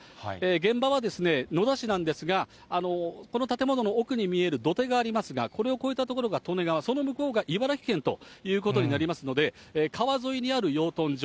現場は野田市なんですが、この建物の奥に見える土手がありますが、これを越えた所が利根川、その向こうが茨城県ということになりますので、川沿いにある養豚場。